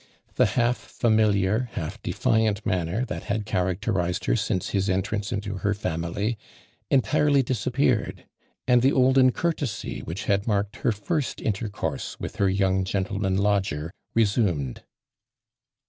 The half familiar, half defiant manner that had characterized her since his entrance into her family, entirely dis appeared, and the olden courtesy which had marked her first intercourse with her " young gentleman lodger,'" resumed.